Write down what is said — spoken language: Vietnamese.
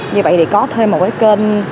như vậy thì có thêm một cái kênh